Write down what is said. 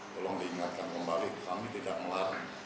tolong diingatkan kembali kami tidak melarang